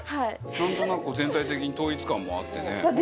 なんとなくこう全体的に統一感もあってね。